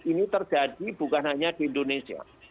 ini terjadi bukan hanya di indonesia